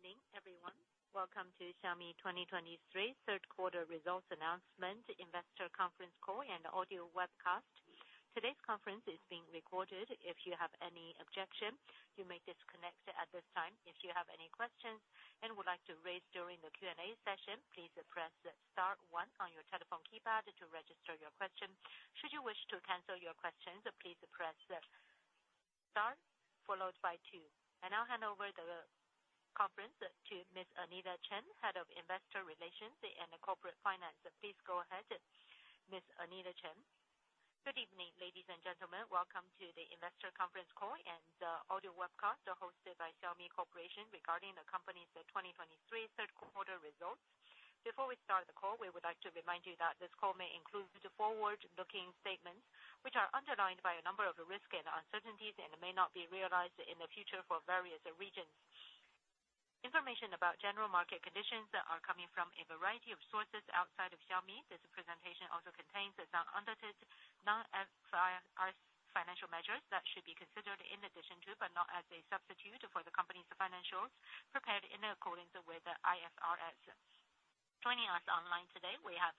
Good evening, everyone. Welcome to Xiaomi 2023 third quarter results announcement, investor conference call, and audio webcast. Today's conference is being recorded. If you have any objection, you may disconnect at this time. If you have any questions and would like to raise during the Q&A session, please press star one on your telephone keypad to register your question. Should you wish to cancel your question, please press star followed by two. I now hand over the conference to Ms. Anita Chen, Head of Investor Relations and Corporate Finance. Please go ahead, Ms. Anita Chen. Good evening, ladies and gentlemen. Welcome to the investor conference call and audio webcast hosted by Xiaomi Corporation regarding the company's 2023 third quarter results. Before we start the call, we would like to remind you that this call may include forward-looking statements, which are underlined by a number of risks and uncertainties and may not be realized in the future for various reasons. Information about general market conditions are coming from a variety of sources outside of Xiaomi. This presentation also contains certain non-GAAP financial measures that should be considered in addition to, but not as a substitute for, the company's financials prepared in accordance with IFRS. Joining us online today, we have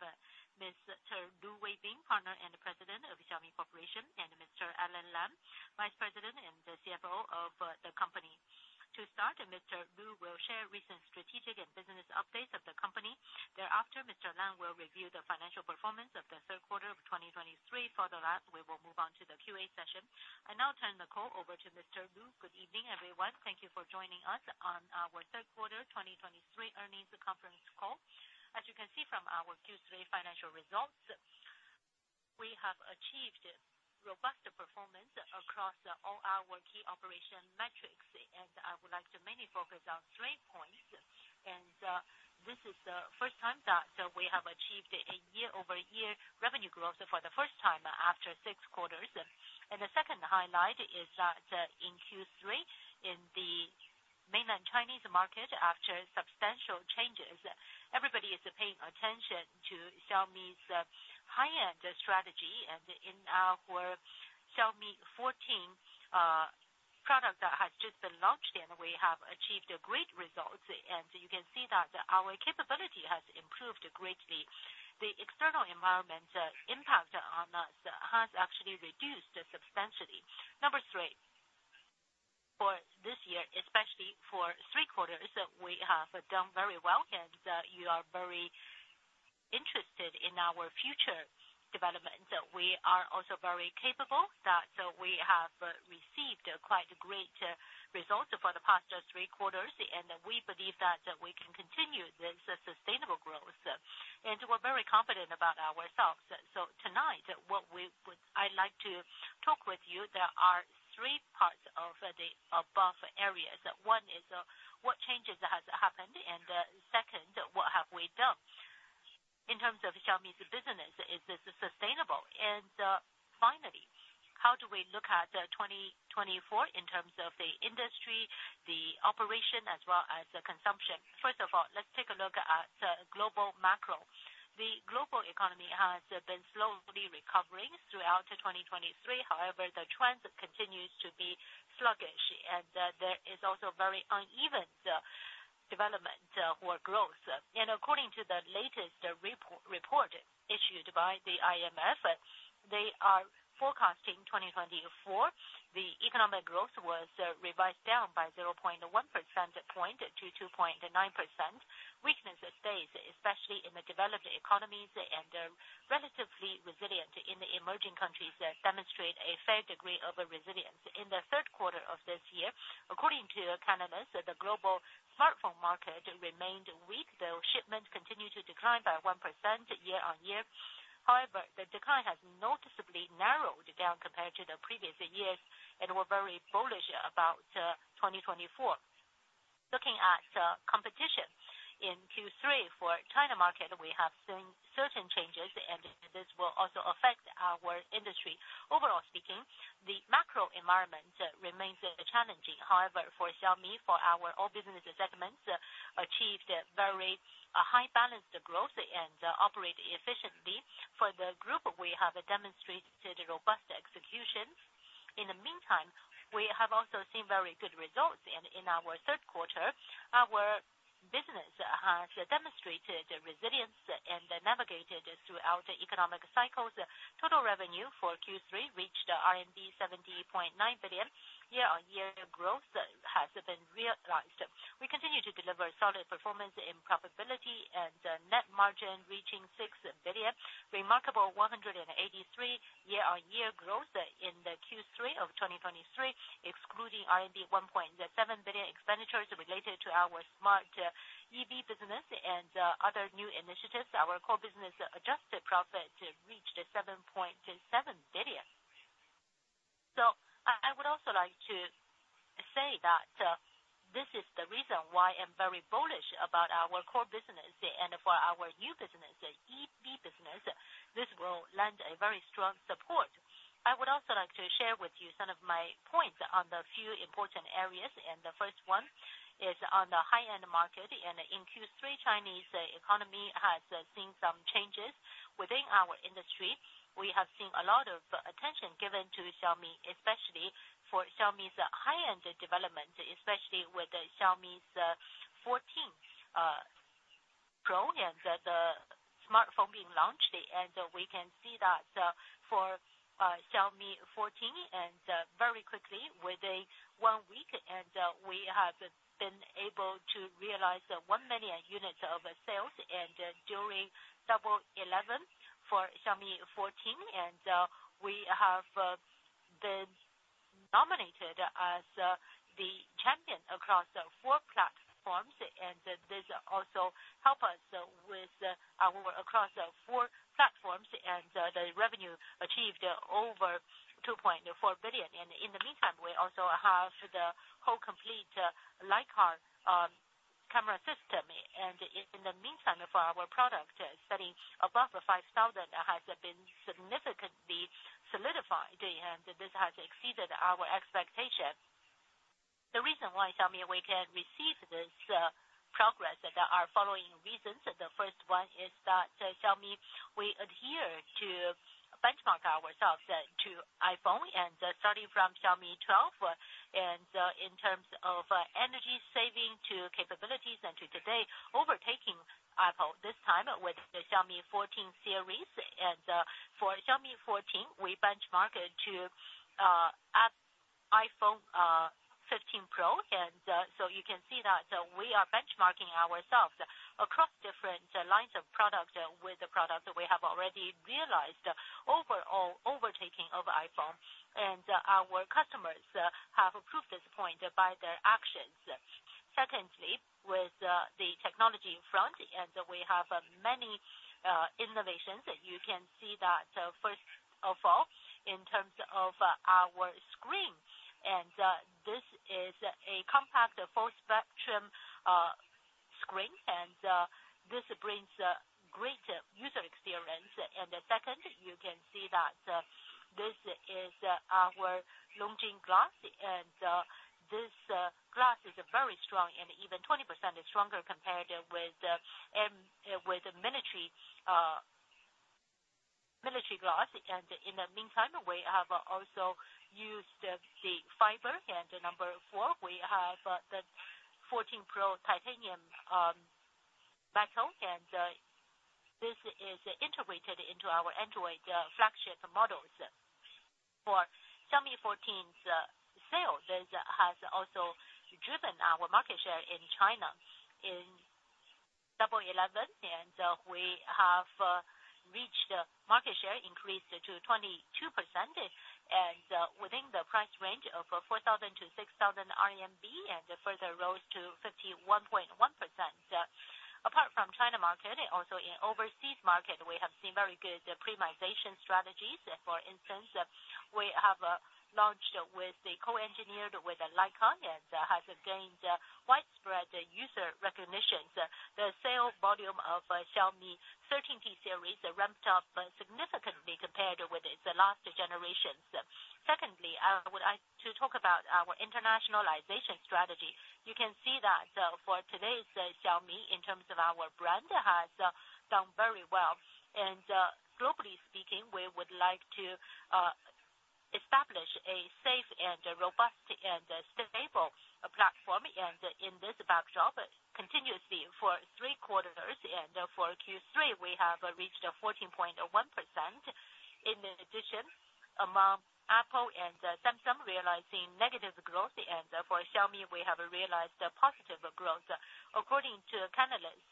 Mr. Lu Weibing, Partner and President of Xiaomi Corporation, and Mr. Alain Lam, Vice President and CFO of the company. To start, Mr. Lu will share recent strategic and business updates of the company. Thereafter, Mr. Lam will review the financial performance of the third quarter of 2023. Further on, we will move on to the Q&A session. I now turn the call over to Mr. Lu. Good evening, everyone. Thank you for joining us on our third quarter 2023 earnings conference call. As you can see from our Q3 financial results, we have achieved robust performance across all our key operational metrics, and I would like to mainly focus on three points. This is the first time that we have achieved a year-over-year revenue growth for the first time after six quarters. The second highlight is that in Q3, in the mainland Chinese market, after substantial changes, everybody is paying attention to Xiaomi's high-end strategy. In our Xiaomi 14 product that has just been launched, and we have achieved great results. You can see that our capability has improved greatly. The external environment impact on us has actually reduced substantially. Number 3, for this year, especially for 3 quarters, we have done very well, and you are very interested in our future development. We are also very capable that we have received quite great results for the past 3 quarters, and we believe that we can continue this sustainable growth. And we're very confident about ourselves. So tonight, what we would... I'd like to talk with you, there are three parts of the above areas. One is, what changes has happened? And second, what have we done? In terms of Xiaomi's business, is this sustainable? And, finally, how do we look at 2024 in terms of the industry, the operation, as well as the consumption? First of all, let's take a look at global macro. The global economy has been slowly recovering throughout 2023. However, the trend continues to be sluggish, and there is also very uneven development or growth. According to the latest report issued by the IMF, they are forecasting 2024, the economic growth was revised down by 0.1 percentage point to 2.9%. Weakness stays, especially in the developed economies, and relatively resilient in the emerging countries that demonstrate a fair degree of resilience. In the third quarter of this year, according to Canalys, the global smartphone market remained weak, though shipments continued to decline by 1% year-on-year. However, the decline has noticeably narrowed down compared to the previous years, and we're very bullish about 2024. Looking at competition in Q3 for China market, we have seen certain changes, and this will also affect our industry. Overall speaking, the macro environment remains challenging. However, for Xiaomi, for our all business segments achieved very high balanced growth and operate efficiently. For the group, we have demonstrated robust execution. In the meantime, we have also seen very good results, and in our third quarter, our business has demonstrated resilience and navigated throughout the economic cycles. Total revenue for Q3 reached RMB 70.9 billion. Year-on-year growth has been realized. We continue to deliver solid performance in profitability and net margin reaching 6 billion, remarkable 183 year-on-year growth in the Q3 of 2023, excluding 1.7 billion expenditures related to our smart EV business and other new initiatives. Our core business adjusted profit reached 7.7 billion. So I would also like to say that, this is the reason why I'm very bullish about our core business and for our new business, EV business, this will lend a very strong support. I would also like to share with you some of my points on the few important areas, and the first one is on the high-end market. In Q3, Chinese economy has seen some changes. Within our industry, we have seen a lot of attention given to Xiaomi, especially for Xiaomi's high-end development, especially with the Xiaomi 14 smartphone being launched, and we can see that, for Xiaomi 14, very quickly, within one week, we have been able to realize 1 million units of sales and during Double Eleven for Xiaomi 14. We have been nominated as the champion across the four platforms, and this also help us with our across the four platforms and the revenue achieved over 2.4 billion. In the meantime, we also have the whole complete Leica camera system. In the meantime, for our product selling above 5,000 has been significantly solidified, and this has exceeded our expectations. The reason why Xiaomi we can receive this progress, there are following reasons. The first one is that Xiaomi, we adhere to benchmark ourselves to iPhone and starting from Xiaomi 12, and in terms of energy saving to capabilities, and to today, overtaking Apple this time with the Xiaomi 14 Series. For Xiaomi 14, we benchmarked to iPhone 15 Pro. So you can see that we are benchmarking ourselves across different lines of products with the product that we have already realized, overall overtaking of iPhone, and our customers have proved this point by their actions. Secondly, with the technology in front, and we have many innovations, you can see that, first of all, in terms of our screen, and this is a compact full spectrum screen, and this brings great user experience. And the second, you can see that this is our Longjing Glass, and this glass is very strong and even 20% stronger compared with military glass. And in the meantime, we have also used the fiber, and number four, we have the 14 Pro titanium metal, and this is integrated into our Android flagship models. For Xiaomi 14's sales, this has also driven our market share in China. In Double Eleven, we have reached a market share increase to 22%, and within the price range of 4,000-6,000 RMB, and further rose to 51.1%. Apart from China market, also in overseas market, we have seen very good premiumization strategies. For instance, we have launched with the co-engineered with Leica and has gained widespread user recognition. The sale volume of Xiaomi 13T Series ramped up significantly compared with its last generations. Secondly, I would like to talk about our internationalization strategy. You can see that, for today's Xiaomi, in terms of our brand, has done very well. Globally speaking, we would like to establish a safe and a robust and a stable platform, and in this backdrop, continuously for three quarters, and for Q3, we have reached 14.1%. In addition, among Apple and Samsung realizing negative growth, and for Xiaomi, we have realized a positive growth. According to Canalys,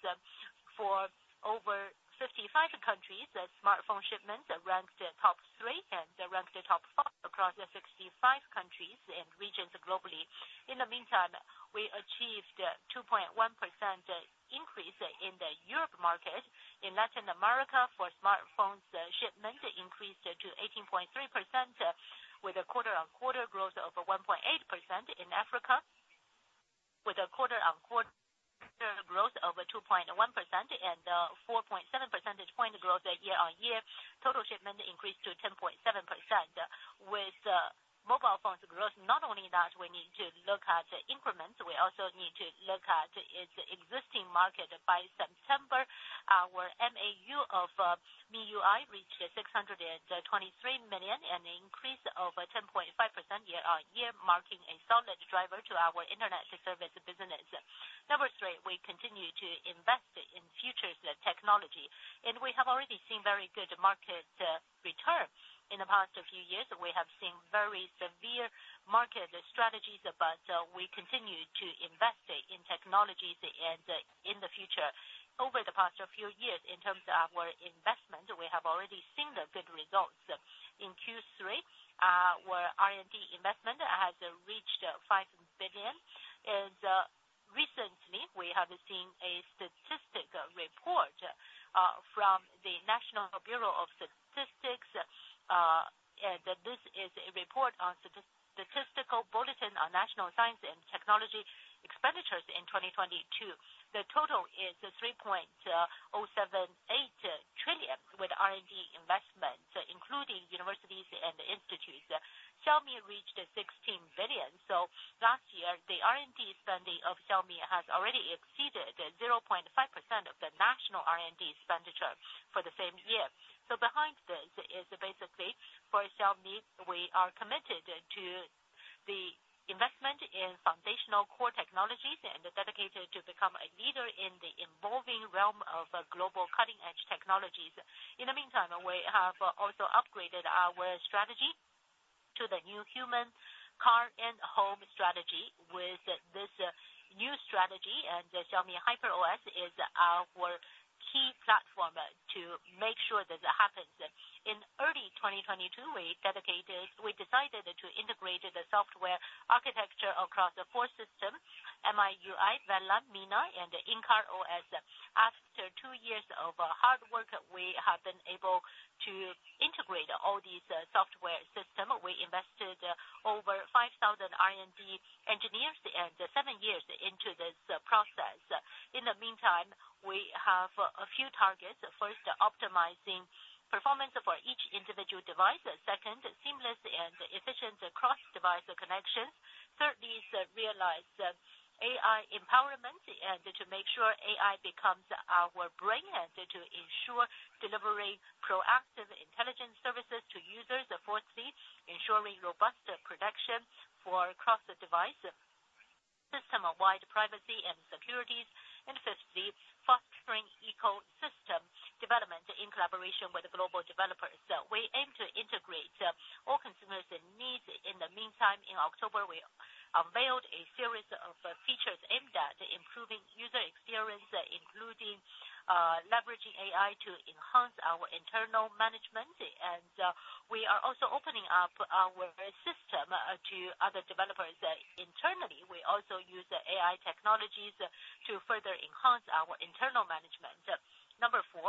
for over 55 countries, the smartphone shipments ranked top three, and they ranked top five across the 65 countries and regions globally. In the meantime, we achieved a 2.1% increase in the Europe market. In Latin America, for smartphones, shipment increased to 18.3%, with a quarter-on-quarter growth of 1.8%. In Africa, with a quarter-on-quarter growth of 2.1% and 4.7 percentage point growth year-on-year, total shipment increased to 10.7%. With mobile phones growth, not only that, we need to look at the increments, we also need to look at its existing market. By September, our MAU of MIUI reached 623 million, an increase over 10.5% year-on-year, marking a solid driver to our international service business. Number three, we continue to invest in future technology, and we have already seen very good market return. In the past few years, we have seen very severe market strategies, but we continue to invest in technologies and in the future. Over the past few years, in terms of our investment, we have already seen the good results. In Q3, our R&D investment has reached 5 billion, and recently we have seen a statistical report from the National Bureau of Statistics, and this is a report on statistical bulletin on national science and technology expenditures in 2022. The total is 3.078 trillion, with R&D investments, including universities and institutes. Xiaomi reached 16 billion. So last year, the R&D spending of Xiaomi has already exceeded 0.5% of the national R&D expenditure for the same year. So behind this is basically for Xiaomi, we are committed to the investment in foundational core technologies, and is dedicated to become a leader in the evolving realm of global cutting-edge technologies. In the meantime, we have also upgraded our strategy to the new human, car, and home strategy. With this new strategy, and the Xiaomi HyperOS is our key platform to make sure that it happens. In early 2022, we dedicated, we decided to integrate the software architecture across the four systems: MIUI, Vela, MiHome, and In-Car OS. After two years of hard work, we have been able to integrate all these software system. We invested over 5,000 R&D engineers and seven years into this process. In the meantime, we have a few targets. First, optimizing performance for each individual device. Second, seamless and efficient cross-device connection. Thirdly, realize AI empowerment, and to make sure AI becomes our brain, and to ensure delivering proactive intelligence services to users. Fourthly, ensuring robust protection for across the device, system-wide privacy and securities. And fifthly, fostering ecosystem development in collaboration with global developers. We aim to integrate all consumers' needs. In the meantime, in October, we unveiled a series of features aimed at improving user experience, including leveraging AI to enhance our internal management. And we are also opening up our system to other developers. Internally, we also use the AI technologies to further enhance our internal management. Number 4,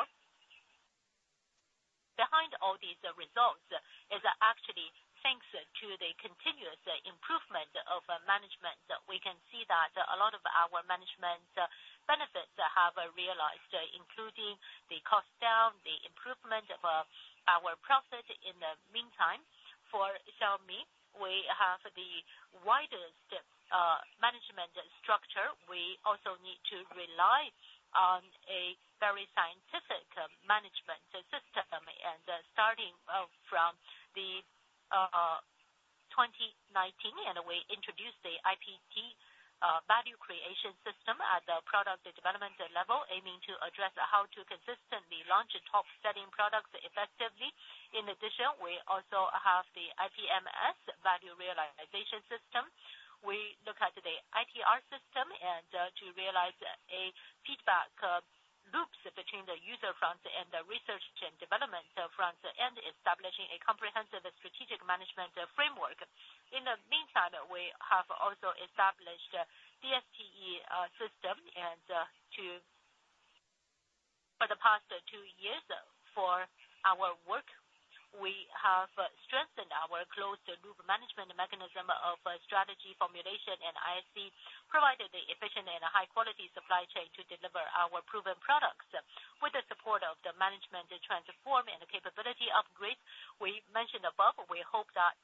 behind all these results is actually thanks to the continuous improvement of management. We can see that a lot of our management benefits have realized, including the cost down, the improvement of our profit. In the meantime, for Xiaomi, we have the widest management structure. We also need to rely on a very scientific management system, and starting from the 2019, and we introduced the IPD value creation system at the product development level, aiming to address how to consistently launch top-selling products effectively. In addition, we also have the IPMS, value realization system. We look at the ITR system and to realize a feedback loops between the user front and the research and development front, and establishing a comprehensive strategic management framework. In the meantime, we have also established DSTE system. For the past two years, for our work, we have strengthened our closed loop management mechanism of strategy, formulation, and IC, provided the efficient and high quality supply chain to deliver our proven products. With the support of the management to transform and the capability upgrade we mentioned above, we hope that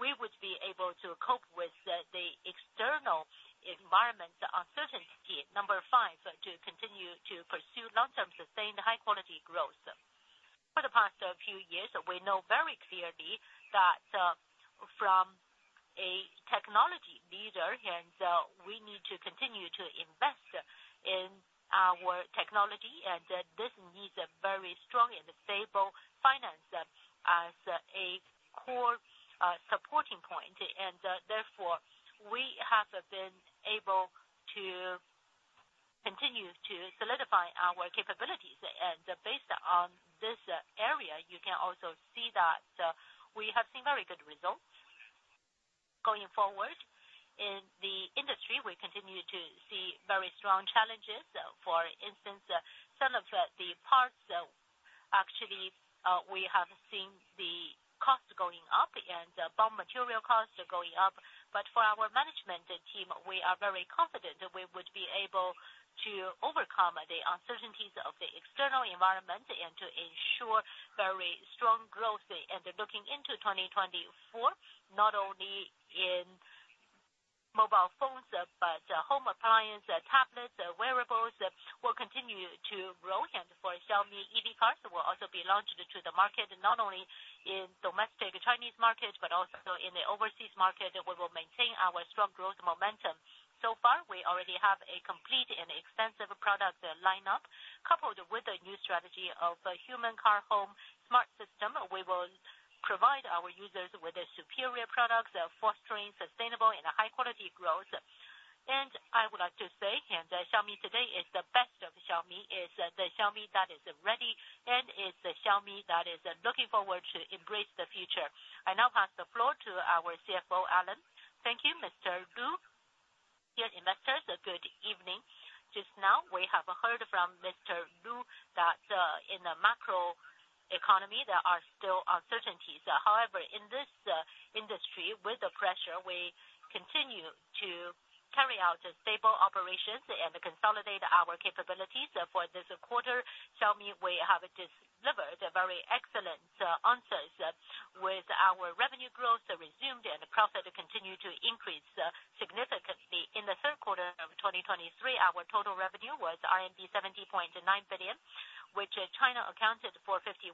we would be able to cope with the external environment uncertainty. Number five, to continue to pursue long-term, sustained, high-quality growth. For the past few years, we know very clearly that, from a technology leader, and, we need to continue to invest in our technology, and this needs a very strong and stable finance as a core, supporting point. And, therefore, we have been able to continue to solidify our capabilities. And based on this area, you can also see that, we have seen very good results. Going forward, in the industry, we continue to see very strong challenges. For instance, some of the parts, actually, we have seen the cost going up and bill of material costs are going up. But for our management team, we are very confident that we would be able to overcome the uncertainties of the external environment and to ensure very strong growth. Looking into 2024, not only in mobile phones, but home appliance, tablets, wearables, will continue to grow. For Xiaomi, EV cars will also be launched to the market, not only in domestic Chinese market, but also in the overseas market. We will maintain our strong growth momentum. So far, we already have a complete and extensive product lineup. Coupled with the new strategy of human, car, home, smart system, we will provide our users with superior products, fostering sustainable and high quality growth. I would like to say, Xiaomi today is the best of Xiaomi, is the Xiaomi that is ready, and is the Xiaomi that is looking forward to embrace the future. I now pass the floor to our CFO, Alain. Thank you, Mr. Lu. Dear investors, good evening. Just now, we have heard from Mr. That, in the macro economy, there are still uncertainties. However, in this industry, with the pressure, we continue to carry out stable operations and consolidate our capabilities. For this quarter, Xiaomi, we have delivered a very excellent answers with our revenue growth resumed and the profit continued to increase. In the third quarter of 2023, our total revenue was RMB 70.9 billion, which China accounted for 51%,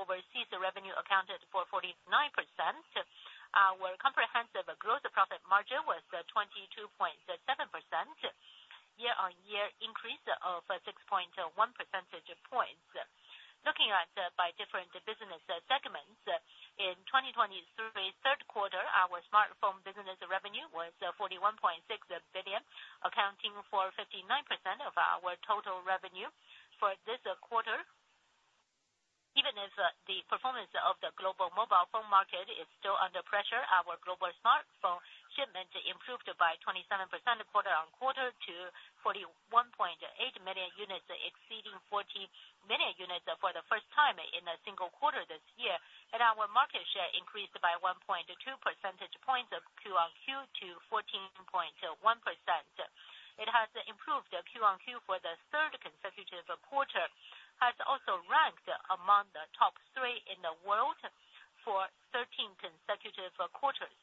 overseas revenue accounted for 49%. Our comprehensive growth profit margin was 22.7%, year-on-year increase of 6.1 percentage points. Looking at by different business segments, in 2023 third quarter, our smartphone business revenue was 41.6 billion, accounting for 59% of our total revenue for this quarter. Even as the performance of the global mobile phone market is still under pressure, our global smartphone shipment improved by 27% quarter-on-quarter to 41.8 million units, exceeding 40 million units for the first time in a single quarter this year. And our market share increased by 1.2 percentage points of Q on Q to 14.1%. It has improved Q on Q for the third consecutive quarter, has also ranked among the top three in the world for 13 consecutive quarters.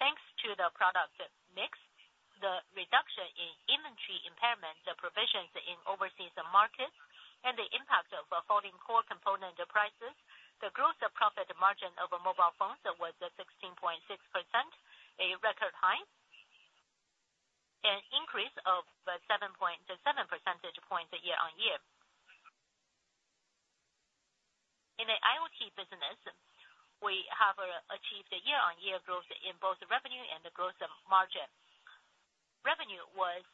Thanks to the product mix, the reduction in inventory impairment, the provisions in overseas markets, and the impact of falling core component prices, the gross profit margin of mobile phones was 16.6%, a record high. An increase of 7.7 percentage points year-on-year. In the IoT business, we have achieved a year-on-year growth in both revenue and the gross margin. Revenue was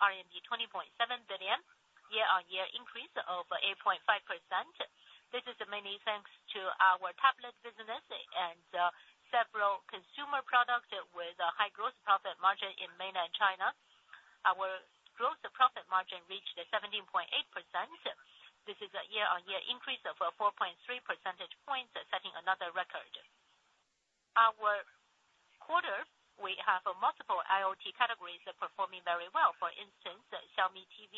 RMB 20.7 billion, year-on-year increase of 8.5%. This is mainly thanks to our tablet business and several consumer products with a high gross profit margin in mainland China. Our gross profit margin reached 17.8%. This is a year-on-year increase of 4.3 percentage points, setting another record. Our quarter, we have multiple IoT categories performing very well. For instance, Xiaomi TV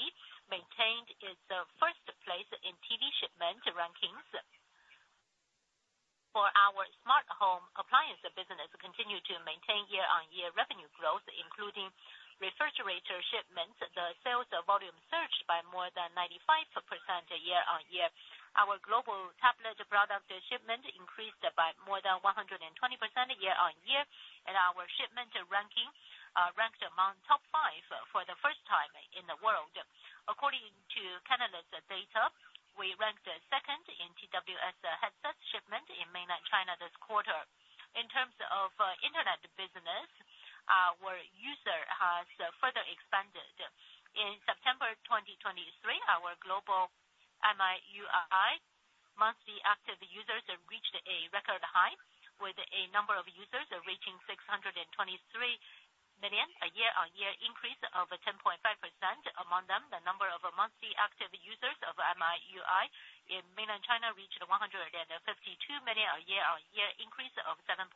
maintained its first place in TV shipment rankings. For our smart home appliance business, continue to maintain year-on-year revenue growth, including refrigerator shipments. The sales volume surged by more than 95% year-on-year. Our global tablet product shipment increased by more than 120% year-on-year, and our shipment ranking ranked among top five for the first time in the world. According to Canalys data, we ranked second in TWS headsets shipment in mainland China this quarter. In terms of internet business, our user has further expanded. In September 2023, our global MIUI monthly active users have reached a record high, with a number of users reaching 623 million, a year-on-year increase of 10.5%. Among them, the number of monthly active users of MIUI in mainland China reached 152 million, a year-on-year increase of 7.4%.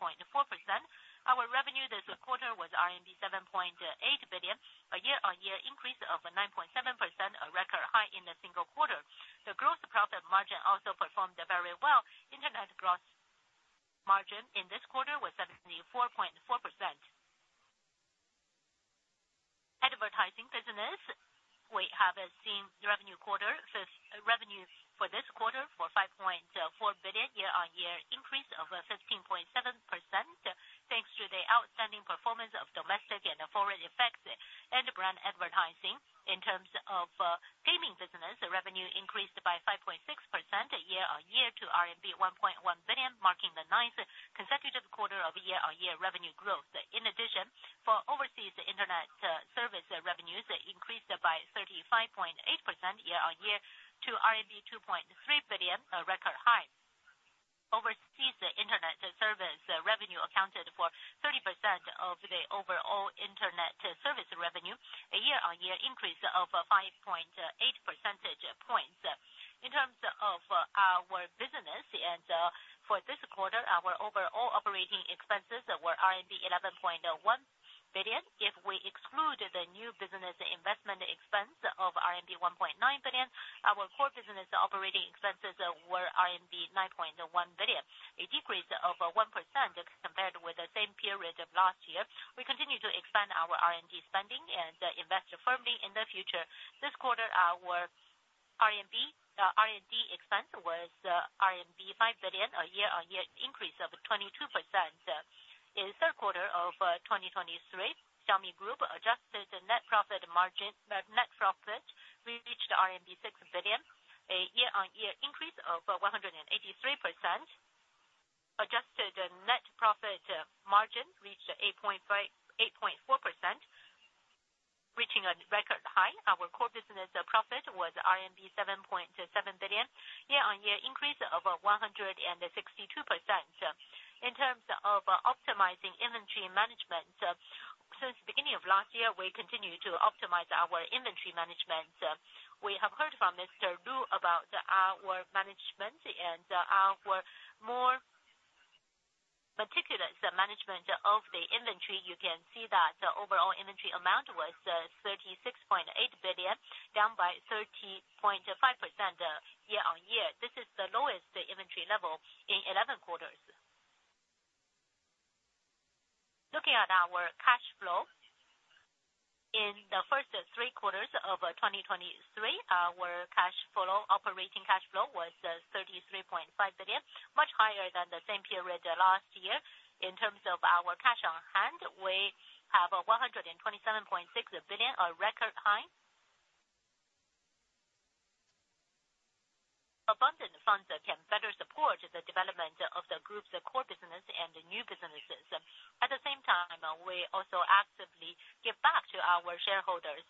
Our revenue this quarter was RMB 7.8 billion, a year-on-year increase of 9.7%, a record high in a single quarter. The gross profit margin also performed very well. Internet gross margin in this quarter was 74.4%. Advertising business, we have seen revenue quarter, so revenue for this quarter for 5.4 billion, year-on-year increase of 15.7%, thanks to the outstanding performance of domestic and foreign effects and brand advertising. In terms of, gaming business, revenue increased by 5.6% year-on-year to RMB 1.1 billion, marking the ninth consecutive quarter of year-on-year revenue growth. In addition, for overseas internet, service revenues increased by 35.8% year-on-year to RMB 2.3 billion, a record high. Overseas internet service revenue accounted for 30% of the overall internet service revenue, a year-on-year increase of 5.8 percentage points. In terms of our business, and, for this quarter, our overall operating expenses were RMB 11.1 billion. If we exclude the new business investment expense of RMB 1.9 billion, our core business operating expenses were RMB 9.1 billion, a decrease of 1% compared with the same period of last year. We continue to expand our R&D spending and invest firmly in the future. This quarter, our R&D expense was RMB 5 billion, a year-on-year increase of 22%. In the third quarter of 2023, Xiaomi Group adjusted net profit margin, net profit, we reached RMB 6 billion, a year-on-year increase of 183%. Adjusted net profit margin reached 8.5, 8.4%, reaching a record high. Our core business profit was RMB 7.7 billion, year-on-year increase of 162%. In terms of optimizing inventory management, since the beginning of last year, we continued to optimize our inventory management. We have heard from Mr. Lu about our management and our more meticulous management of the inventory. You can see that the overall inventory amount was 66.8 billion, down by 13.5%, year-on-year. This is the lowest inventory level in 11 quarters. Looking at our cash flow, in the first three quarters of 2023, our cash flow, operating cash flow was 33.5 billion, much higher than the same period last year. In terms of our cash on hand, we have 127.6 billion, a record high. Abundant funds can better support the development of the group's core business and the new businesses. At the same time, we also actively give back to our shareholders.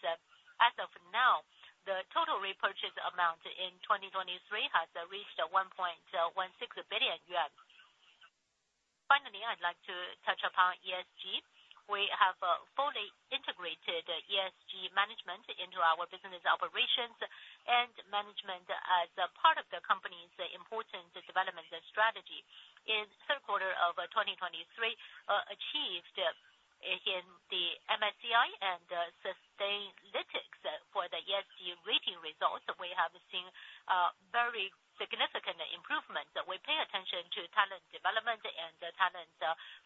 As of now, the total repurchase amount in 2023 has reached 1.16 billion yuan. Finally, I'd like to touch upon ESG. We have fully integrated ESG management into our business operations, and management as a part of the company's important development strategy. In third quarter of 2023, achieved in the MSCI and Sustainalytics for the ESG rating results, we have seen very significant improvement. We pay attention to talent development and talent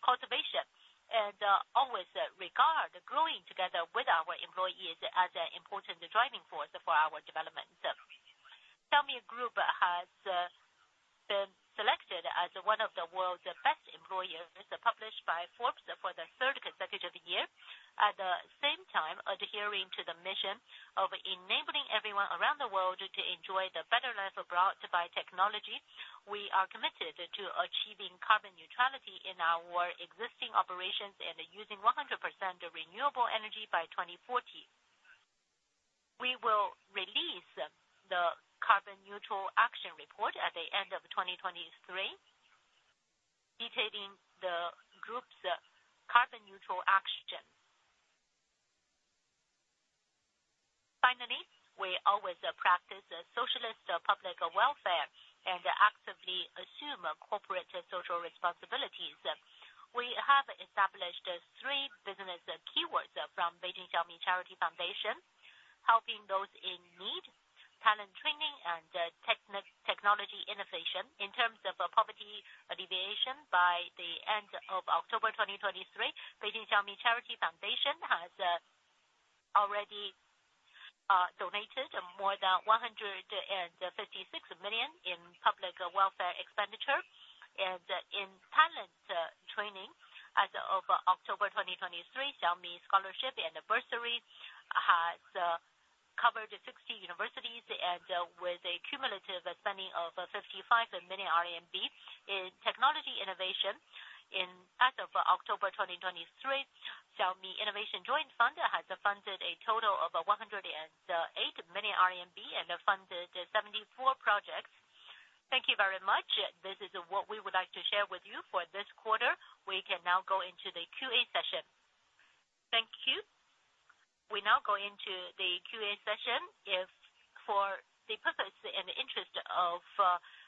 cultivation, and always regard growing together with our employees as an important driving force for our development. Xiaomi Group has been selected as one of the world's best employers, published by Forbes for the third consecutive year. At the same time, adhering to the mission of enabling everyone around the world to enjoy the better life brought by technology, we are committed to achieving carbon neutrality in our existing operations and using 100% renewable energy by 2040. We will release the carbon neutral action report at the end of 2023, detailing the group's carbon neutral action. Finally, we always practice socialist public welfare and actively assume corporate social responsibilities. We have established three business keywords from Beijing Xiaomi Charity Foundation, helping those in need, talent training, and technology innovation. In terms of poverty alleviation, by the end of October 2023, Beijing Xiaomi Charity Foundation has already donated more than 156 million in public welfare expenditure. In talent training, as of October 2023, Xiaomi Scholarship and Bursary has covered 60 universities, and with a cumulative spending of 55 million RMB. In technology innovation, in as of October 2023, Xiaomi Innovation Joint Fund has funded a total of 108 million RMB and funded 74 projects. Thank you very much. This is what we would like to share with you for this quarter. We can now go into the QA session. Thank you. We now go into the QA session. If for the purpose and interest of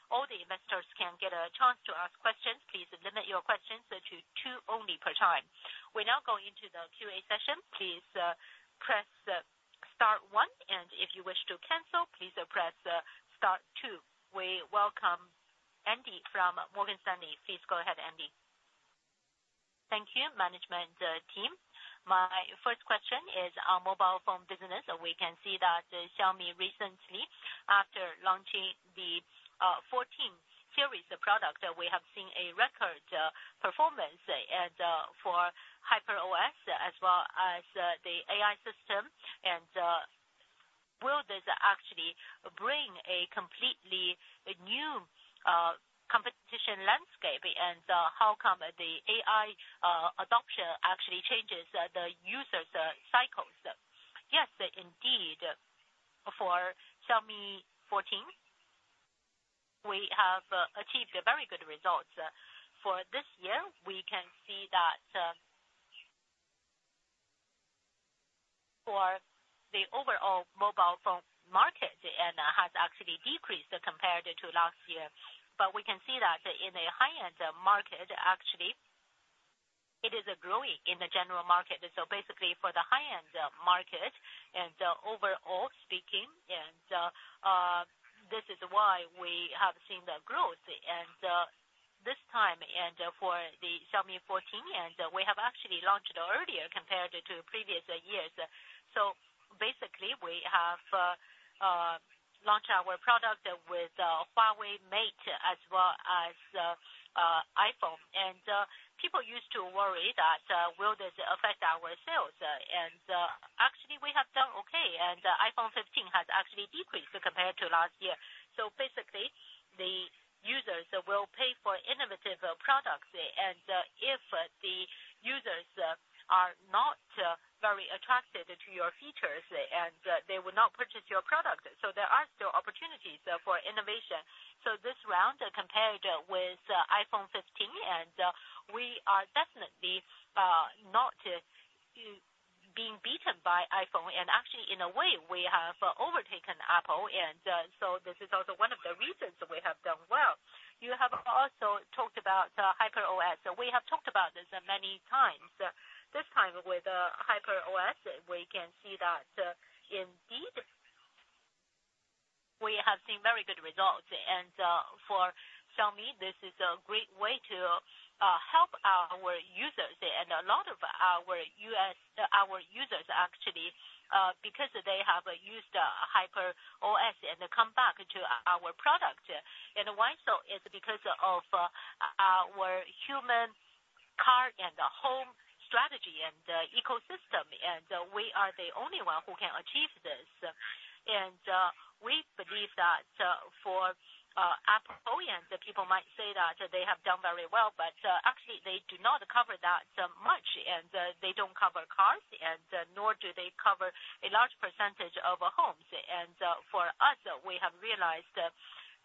all the investors can get a chance to ask questions, please limit your questions to 2 only per time. We're now going into the QA session. Please, press star one, and if you wish to cancel, please press star two. We welcome Andy from Morgan Stanley. Please go ahead, Andy. Thank you, management, team. My first question is our mobile phone business. We can see that Xiaomi recently, after launching the 14 Series of products, we have seen a record performance, and for HyperOS as well as the AI system, and will this actually bring a completely new competition landscape? And how come the AI adoption actually changes the users cycles? Yes, indeed, for Xiaomi 14, we have achieved very good results. For this year, we can see that for the overall mobile phone market, and has actually decreased compared to last year. But we can see that in the high-end market, actually, it is growing in the general market. So basically for the high-end market and overall speaking, and this is why we have seen the growth. This time, and for the Xiaomi 14, and we have actually launched earlier compared to previous years. So basically, we have launched our product with Huawei Mate, as well as iPhone. People used to worry that will this affect our sales? Actually, we have done okay, and iPhone 15 has actually decreased compared to last year. So basically, the users will pay for innovative products, and if the users are not very attracted to your features, and they will not purchase your product. So there are still opportunities for innovation. So this round, compared with iPhone 15, and we are definitely not being beaten by iPhone, and actually, in a way, we have overtaken Apple, and so this is also one of the reasons we have done well. You have also talked about the HyperOS. We have talked about this many times. This time with HyperOS, we can see that indeed, we have seen very good results. For Xiaomi, this is a great way to help our users. A lot of our users, actually, because they have used HyperOS and come back to our product. And why so? It's because of our human, car, and the home strategy and ecosystem, and we are the only one who can achieve this. We believe that for Apple and people might say that they have done very well, but actually, they do not cover that much, and they don't cover cars, and nor do they cover a large percentage of homes. For us, we have realized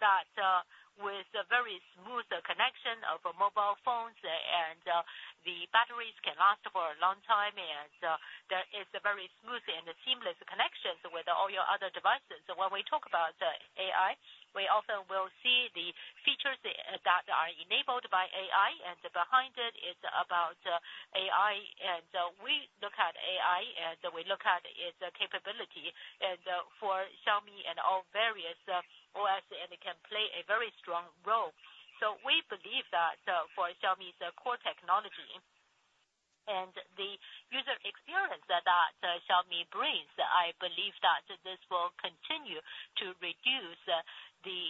that with a very smooth connection of mobile phones and the batteries can last for a long time, and there is a very smooth and seamless connections with all your other devices. So when we talk about AI, we also will see the features that are enabled by AI, and behind it is about AI. We look at AI, and we look at its capability, and for Xiaomi and all various OS, and it can play a very strong role. So we believe that for Xiaomi's core technology and the user experience that that Xiaomi brings, I believe that this will continue to reduce the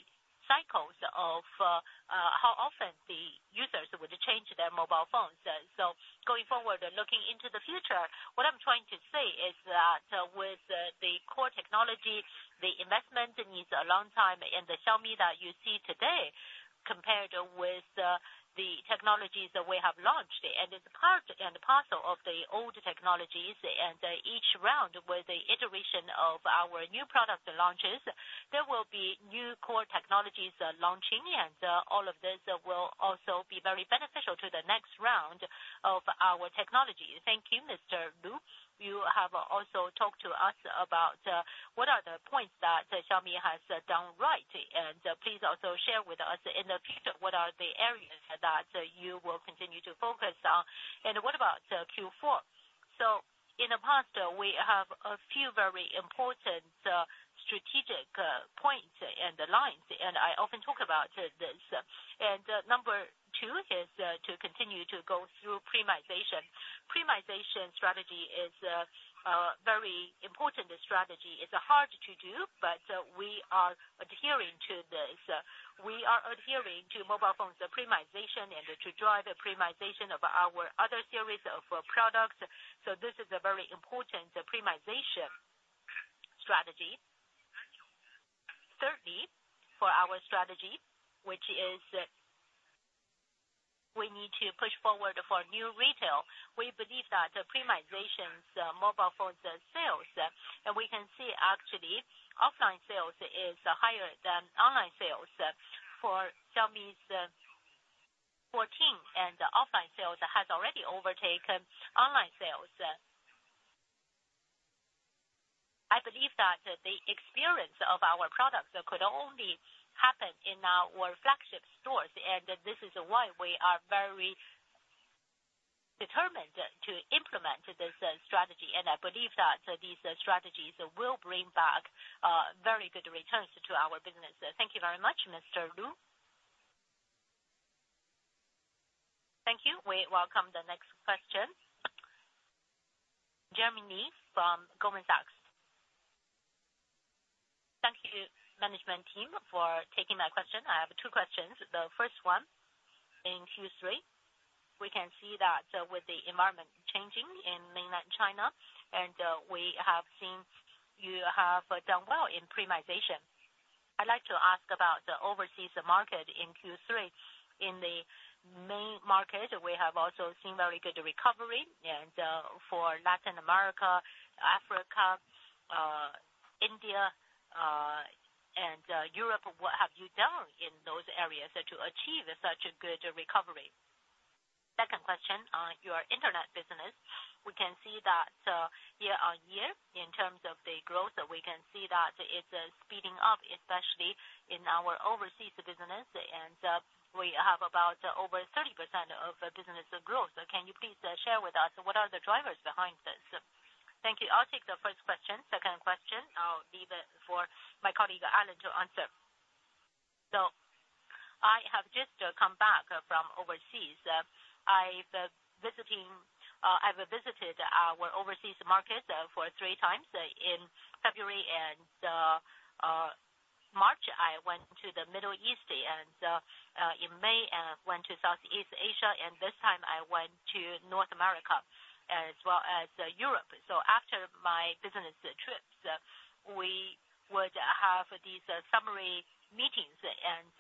cycles of how often the users would change their mobile phones. So going forward and looking into the future, what I'm trying to say is that with the core technology, the investment needs a long time, and the Xiaomi that you see today, compared with the technologies that we have launched, and it's part and parcel of the old technologies, and each round, with the iteration of our new product launches, there will be new core technologies launching, and all of this will also be very beneficial to the next round of our technology. Thank you, Mr. Lu. You have also talked to us about what are the points that Xiaomi has done right, and please also share with us, in the future, what are the areas that you will continue to focus on, and what about Q4? So in the past, we have a few very important strategic points and lines, and I often talk about this. And number two is to continue to go through premiumization. Premiumization strategy is a very important strategy. It's hard to do, but we are adhering to this. We are adhering to mobile phones premiumization and to drive the premiumization of our other series of products. So this is a very important premiumization strategy. Thirdly, for our strategy, which is we need to push forward for new retail. We believe that premiumization's mobile phones sales, and we can see actually, offline sales is higher than online sales for Xiaomi 14, and offline sales has already overtaken online sales. I believe that the experience of our products could only happen in our flagship stores, and this is why we are very determined to implement this strategy, and I believe that these strategies will bring back very good returns to our business. Thank you very much, Mr. Lu. Thank you. We welcome the next question. Jeremy Lee from Goldman Sachs. Thank you, management team, for taking my question. I have two questions. The first one, in Q3, we can see that with the environment changing in mainland China, and we have seen you have done well in premiumization. I'd like to ask about the overseas market in Q3. In the main market, we have also seen very good recovery, and for Latin America, Africa, India, and Europe, what have you done in those areas to achieve such a good recovery? Second question on your internet business. We can see that, year-on-year, in terms of the growth, we can see that it's speeding up, especially in our overseas business, and we have about over 30% of business growth. So can you please share with us what are the drivers behind this? Thank you. I'll take the first question. Second question, I'll leave it for my colleague, Alain, to answer. So I have just come back from overseas. I've visited our overseas markets for 3x. In February and March, I went to the Middle East, and in May, I went to Southeast Asia, and this time I went to North America as well as Europe. So after my business trips, we would have these summary meetings, and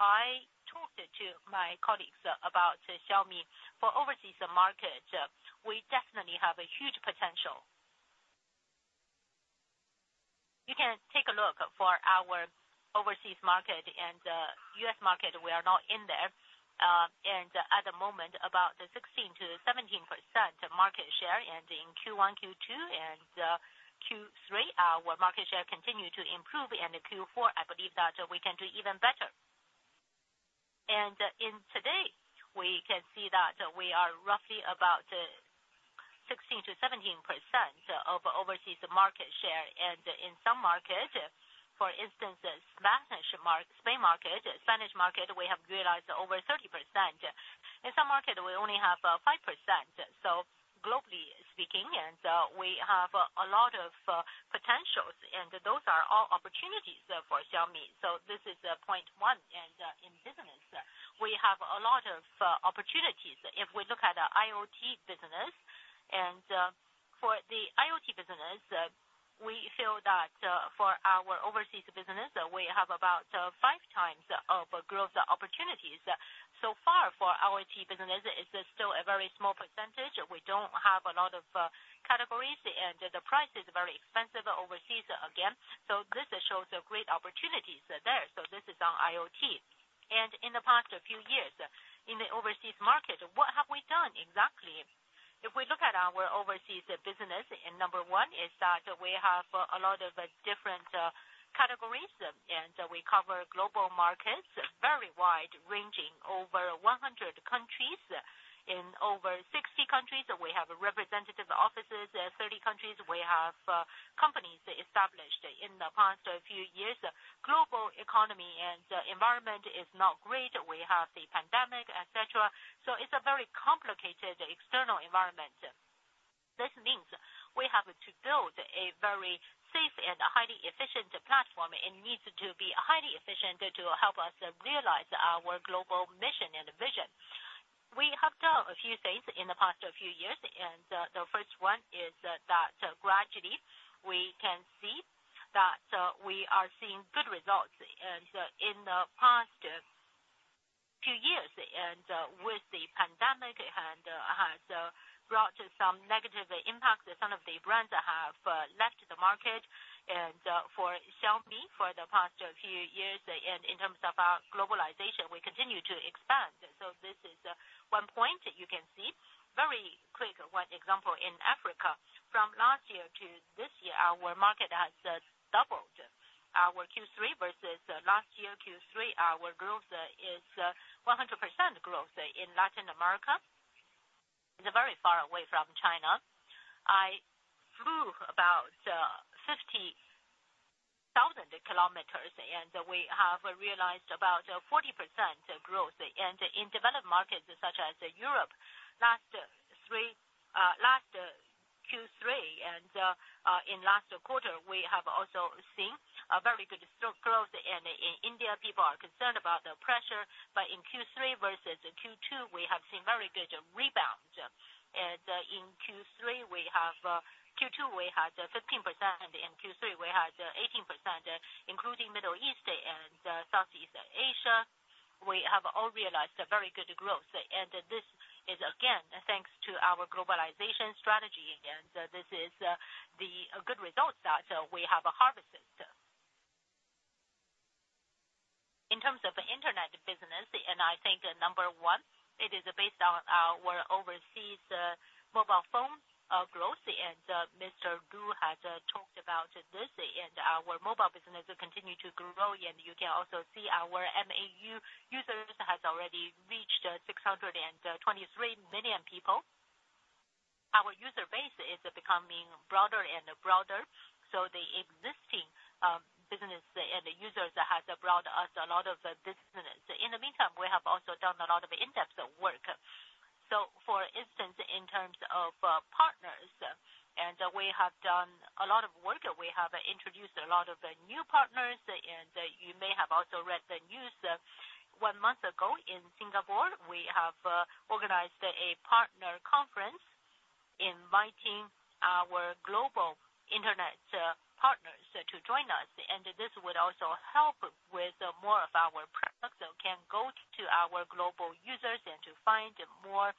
I talked to my colleagues about Xiaomi. For overseas market, we definitely have a huge potential. You can take a look for our overseas market and US market, we are not in there and at the moment, about 16%-17% market share, and in Q1, Q2, and Q3, our market share continued to improve, and in Q4, I believe that we can do even better. And in today, we can see that we are roughly about 16%-17% of overseas market share. And in some markets, for instance, Spanish market, we have realized over 30%. In some markets, we only have 5%. So globally speaking, and we have a lot of potentials, and those are all opportunities for Xiaomi. So this is point one. And in business, we have a lot of opportunities. If we look at the IoT business, and, for the IoT business, we feel that, for our overseas business, we have about, 5x of growth opportunities. So far for IoT business, it's still a very small percentage. We don't have a lot of, categories, and the price is very expensive overseas again. So this shows great opportunities there. So this is on IoT. And in the past few years, in the overseas market, what have we done exactly? If we look at our overseas business, and number one is that we have a lot of, different, categories, and we cover global markets, very wide, ranging over 100 countries. In over 60 countries, we have representative offices. 30 countries, we have, companies established. In the past few years, global economy and environment is not great. We have the pandemic, et cetera. So it's a very complicated external environment. This means we have to build a very safe and highly efficient platform, and it needs to be highly efficient to help us realize our global mission and vision. We have done a few things in the past few years, and, the first one is that, gradually, we can see that, we are seeing good results. And in the past few years, and, with the pandemic, it had, has brought some negative impacts. Some of the brands have, left the market. And, for Xiaomi, for the past few years, and in terms of our globalization, we continue to expand. So this is, one point you can see. Very quick, one example in Africa, from last year to this year, our market has, doubled. Our Q3 versus last year Q3, our growth is 100% growth in Latin America. It's very far away from China. I flew about 50,000 kilometers, and we have realized about 40% growth. And in developed markets, such as Europe, last Q3 and in last quarter, we have also seen a very good growth. And in India, people are concerned about the pressure, but in Q3 versus Q2, we have seen very good rebound. And in Q3, Q2, we had 15%, and Q3, we had 18%, including Middle East and Southeast Asia. We have all realized a very good growth. And this is, again, thanks to our globalization strategy, and this is the good results that we have harvested. In terms of internet business, and I think number one, it is based on our overseas mobile phone growth, and Mr. Lu has talked about this, and our mobile business continue to grow, and you can also see our MAU users has already reached 623 million people. Our user base is becoming broader and broader, so the existing business and the users has brought us a lot of business. In the meantime, we have also done a lot of in-depth work. So for instance, in terms of partners, and we have done a lot of work. We have introduced a lot of new partners, and you may have also read the news. One month ago in Singapore, we have organized a partner conference, inviting our global internet partners to join us, and this would also help with more of our products can go to our global users and to find more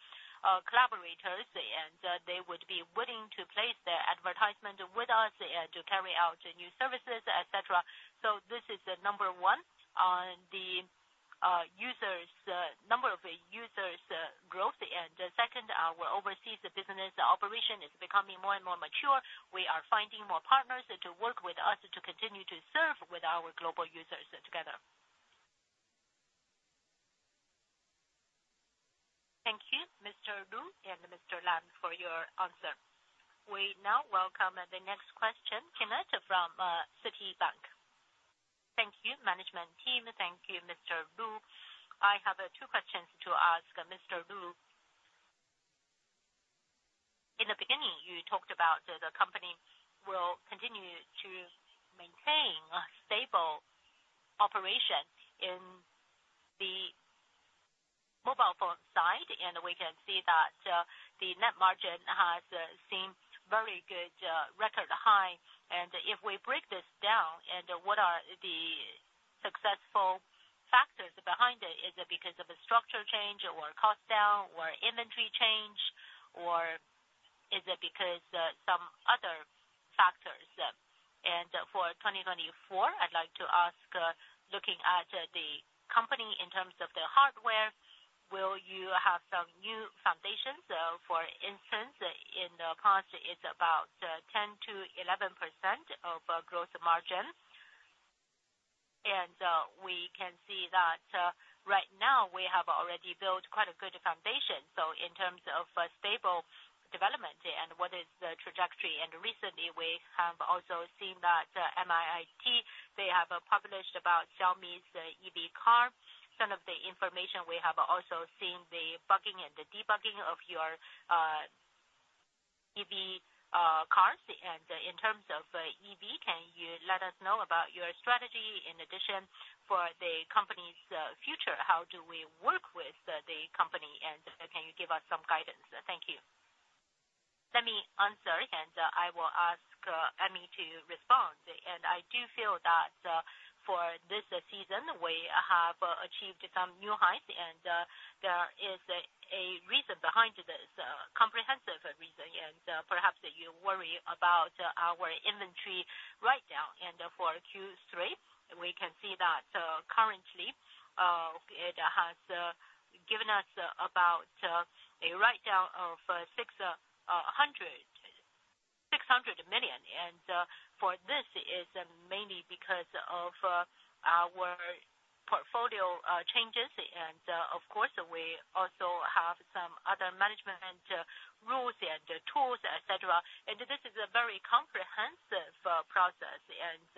collaborators, and they would be willing to place their advertisement with us and to carry out new services, et cetera. So this is number one on the users, number of users growth. Second, our overseas business operation is becoming more and more mature. We are finding more partners to work with us to continue to serve with our global users together. Thank you, Mr. Lu and Mr. Lan, for your answer. We now welcome the next question, Kyna from Citibank. Thank you, management team. Thank you, Mr. Lu. I have two questions to ask Mr. Lu. In the beginning, you talked about the company will continue to maintain a stable operation in the mobile phone side, and we can see that the net margin has seemed very good, record high. And if we break this down, and what are the successful factors behind it? Is it because of a structure change, or cost down, or inventory change, or is it because for 2024, I'd like to ask, looking at the company in terms of the hardware, will you have some new foundations? So for instance, in the past, it's about 10%-11% of growth margin. And we can see that right now, we have already built quite a good foundation. So in terms of stable development and what is the trajectory? And recently, we have also seen that, MIIT, they have published about Xiaomi's EV car. Some of the information we have also seen the building and the debugging of your, EV, cars. And in terms of, EV, can you let us know about your strategy? In addition, for the company's, future, how do we work with the, the company, and can you give us some guidance? Thank you. Let me answer, and, I will ask, Amy to respond. I do feel that, for this season, we have achieved some new heights, and, there is a, a reason behind this, comprehensive reason. Perhaps you worry about our inventory write-down. And for Q3, we can see that, currently, it has, given us about, a write-down of 600 million. This is mainly because of our portfolio changes. Of course, we also have some other management rules and tools, et cetera. This is a very comprehensive process, and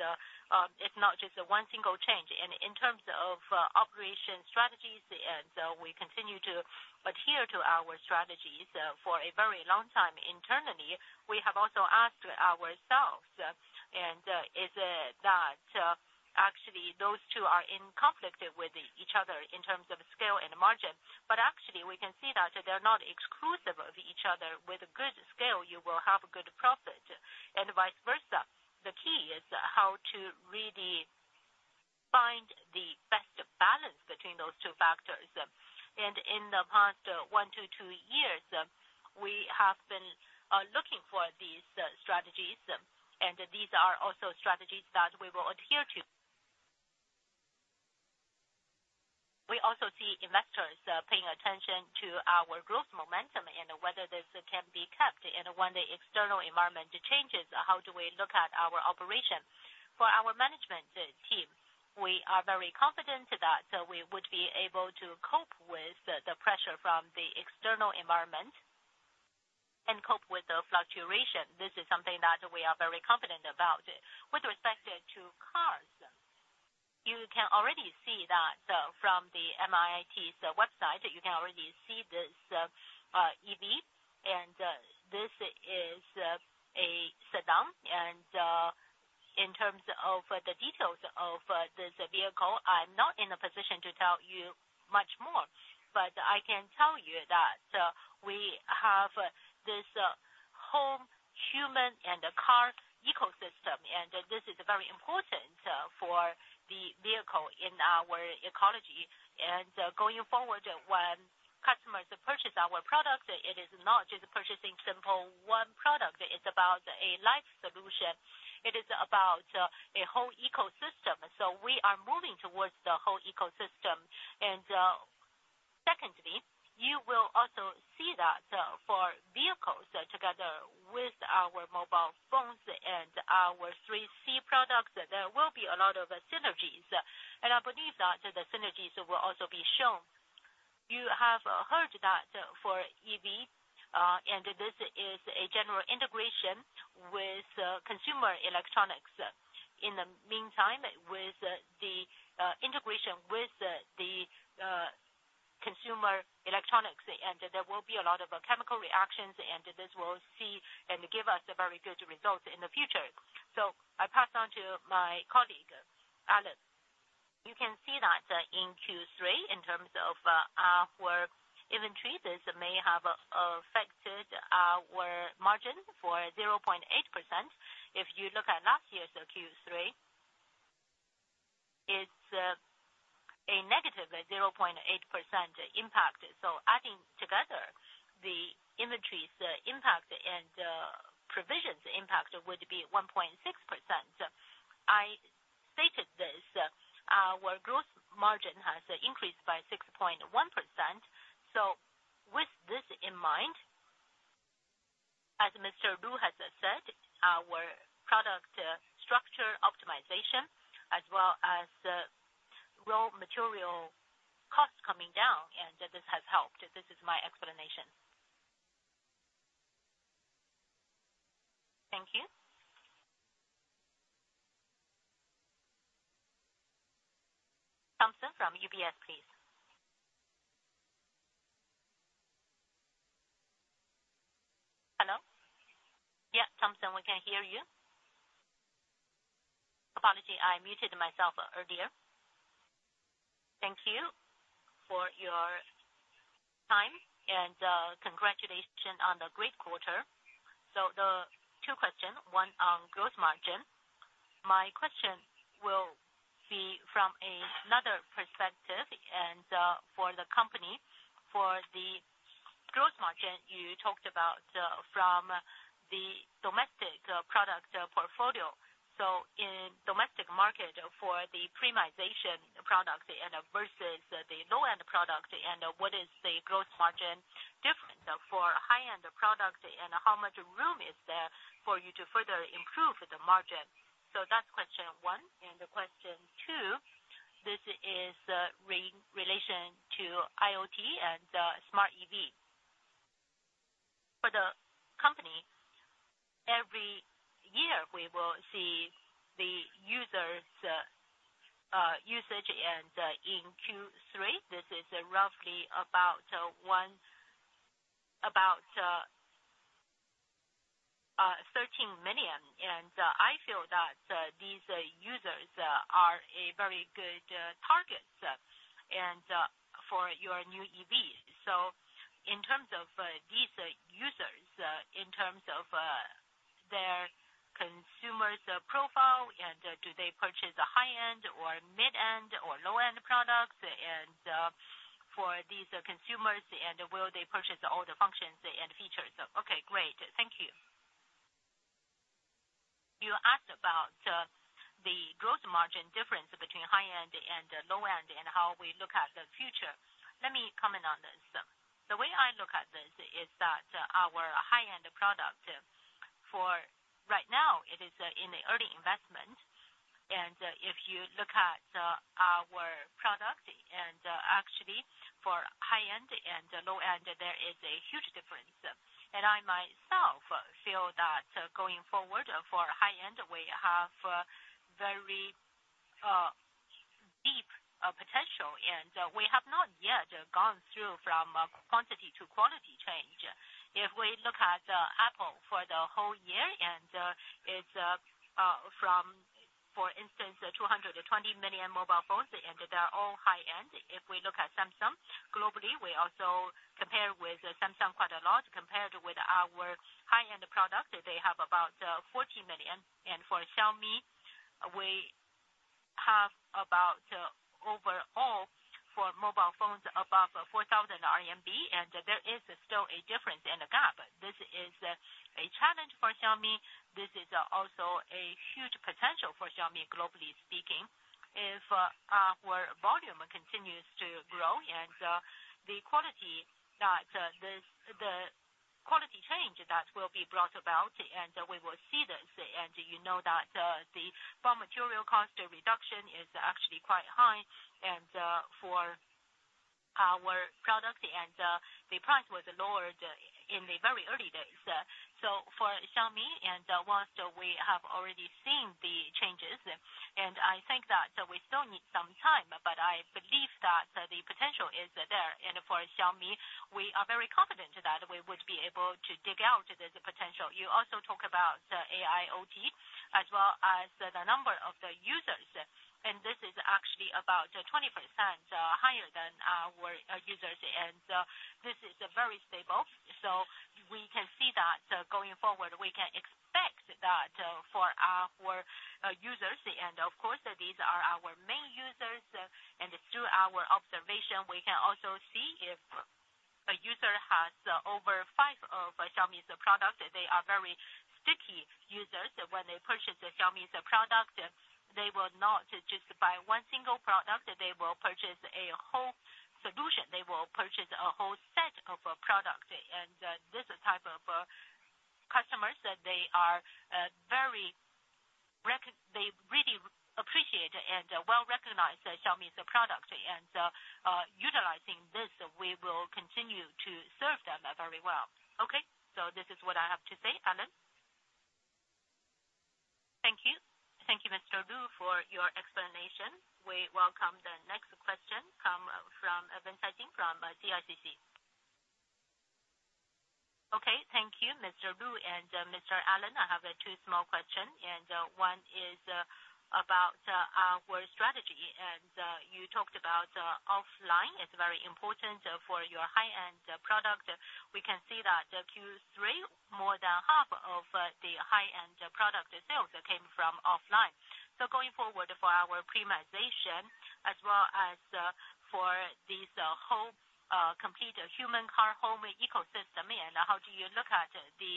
it's not just one single change. In terms of operation strategies, we continue to adhere to our strategies for a very long time. Internally, we have also asked ourselves actually those two are in conflict with each other in terms of scale and margin. But actually, we can see that they're not exclusive of each other. With a good scale, you will have good profit and vice versa. The key is how to really find the best balance between those two factors. In the past 1-2 years, we have been looking for these strategies, and these are also strategies that we will adhere to. We also see investors paying attention to our growth momentum and whether this can be kept. When the external environment changes, how do we look at our operation? For our management team, we are very confident that we would be able to cope with the pressure from the external environment and cope with the fluctuation. This is something that we are very confident about. With respect to cars, you can already see that from the MIIT's website, you can already see this EV, and this is a sedan. In terms of the details of this vehicle, I'm not in a position to tell you much more. I can tell you that we have this home, human, and a car ecosystem, and this is very important for the vehicle in our ecosystem. Going forward, when customers purchase our product, it is not just purchasing simple one product, it is about a life solution. It is about a whole ecosystem. We are moving towards the whole ecosystem. Secondly, you will also see that for vehicles, together with our mobile phones and our three C products, there will be a lot of synergies, and I believe that the synergies will also be shown. You have heard that for EV, and this is a general integration with consumer electronics. In the meantime, with the integration with the consumer electronics, and there will be a lot of chemical reactions, and this will see and give us a very good result in the future. So I pass on to my colleague, Alain. You can see that in Q3, in terms of our inventories, this may have affected our margin for 0.8%. If you look at last year's Q3, it's a negative 0.8% impact. So adding together, the inventory's impact and provisions impact would be 1.6%. I stated this, our growth margin has increased by 6.1%. So with this in mind, as Mr. Lu has said, our product structure optimization, as well as the raw material costs coming down, and this has helped. This is my explanation. Thank you. Thompson from UBS, please. Hello? Yeah, Thompson, we can hear you. Apologies, I muted myself earlier. Thank you for your time, and congratulations on the great quarter. So the two questions, one on growth margin. From another perspective, and for the company, for the growth margin you talked about, from the domestic product portfolio. So in domestic market, for the premiumization product and versus the low-end product, and what is the growth margin difference for high-end products, and how much room is there for you to further improve the margin? So that's question one. And question two, this is relation to IoT and smart EV. For the company, every year, we will see the users' usage, and in Q3, this is roughly about 13 million. I feel that these users are a very good target and for your new EV. So in terms of these users, in terms of their consumer's profile, and do they purchase a high-end or mid-end or low-end products, and for these consumers, and will they purchase all the functions and features? Okay, great. Thank you. You asked about the growth margin difference between high-end and low-end, and how we look at the future. Let me comment on this. The way I look at this is that our high-end product, for right now, it is in the early investment. And if you look at our product and actually for high-end and low-end, there is a huge difference. I myself feel that going forward, for high-end, we have very deep potential, and we have not yet gone through from a quantity to quality change. If we look at Apple for the whole year, and it's from, for instance, 220 million mobile phones, and they are all high-end. If we look at Samsung globally, we also compare with Samsung quite a lot. Compared with our high-end product, they have about 14 million. And for Xiaomi, we have about overall, for mobile phones, above 4,000 RMB, and there is still a difference and a gap. This is a challenge for Xiaomi. This is also a huge potential for Xiaomi, globally speaking. If our volume continues to grow and the quality change that will be brought about, and we will see this. And you know that the raw material cost reduction is actually quite high, and for our product, and the price was lowered in the very early days. So for Xiaomi, and once we have already seen the changes, and I think that we still need some time, but I believe that the potential is there. And for Xiaomi, we are very confident that we would be able to dig out this potential. You also talk about the AIoT, as well as the number of the users, and this is actually about 20% higher than our users, and this is very stable. So we can see that, going forward, we can expect that, for our users. And of course, these are our main users, and through our observation, we can also see if a user has over five of Xiaomi's products, they are very sticky users. When they purchase the Xiaomi's product, they will not just buy one single product, they will purchase a whole solution. They will purchase a whole set of products. And, this type of customers, they are. They really appreciate and well recognize Xiaomi's products. And, utilizing this, we will continue to serve them very well. Okay? So this is what I have to say. Alain? Thank you. Thank you, Mr. Lu, for your explanation. We welcome the next question come from, Wen Hanjing from CICC. Okay, thank you, Mr. Lu and, Mr. Alain. I have two small questions, and one is about our strategy. You talked about offline is very important for your high-end product. We can see that the Q3, more than half of the high-end product sales came from offline. So going forward, for our premiumization, as well as for this whole complete human car, home ecosystem, and how do you look at the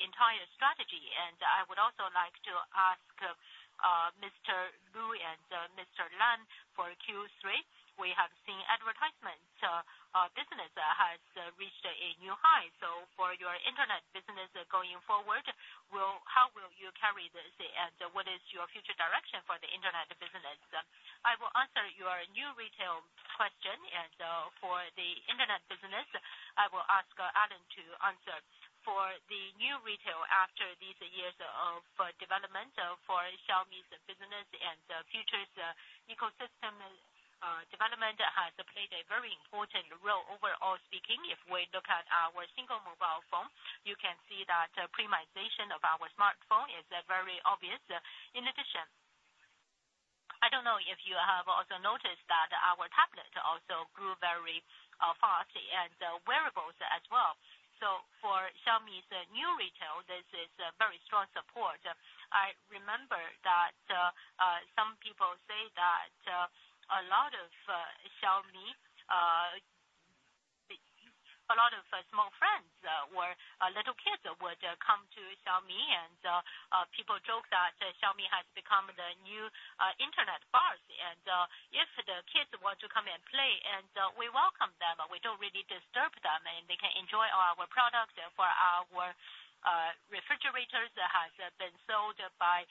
entire strategy? And I would also like to ask Mr. Lu and Mr. Lam, for Q3, we have seen advertisement business has reached a new high. So for your internet business going forward, how will you carry this, and what is your future direction for the internet business? I will answer your new retail question, and for the internet business, I will ask Alain to answer. For the new retail, after these years of development for Xiaomi's business and the future ecosystem, development has played a very important role overall speaking. If we look at our single mobile phone, you can see that premiumization of our smartphone is very obvious. In addition, I don't know if you have also noticed that our tablet also grew very fast, and wearables strong support. I remember that some people say that a lot of Xiaomi, a lot of small friends or little kids would come to Xiaomi, and people joke that Xiaomi has become the new internet bars. If the kids want to come and play, we welcome them, but we don't really disturb them, and they can enjoy our products for our refrigerators that has been sold by